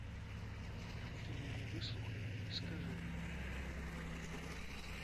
Ты мяне выслухай і скажы.